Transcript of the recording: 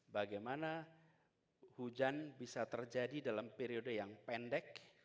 bagaimana hujan bisa terjadi dalam periode yang pendek